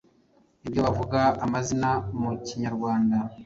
Iyo bavuga amazina mu kinyarwanda,